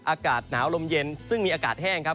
อากาศหนาวลมเย็นซึ่งมีอากาศแห้งครับ